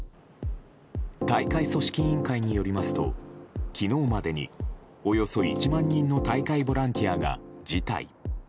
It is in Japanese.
大会組織委員会によりますと昨日までにおよそ１万人の大会ボランティアが辞退。